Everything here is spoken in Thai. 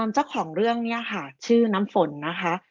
เจ้าของเรื่องนี้ค่ะชื่อน้ำฝนนะคะ